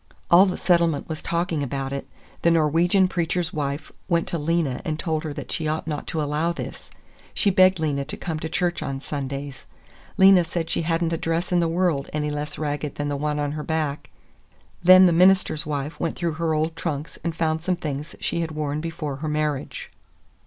All the settlement was talking about it. The Norwegian preacher's wife went to Lena and told her she ought not to allow this; she begged Lena to come to church on Sundays. Lena said she had n't a dress in the world any less ragged than the one on her back. Then the minister's wife went through her old trunks and found some things she had worn before her marriage.